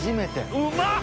うまっ！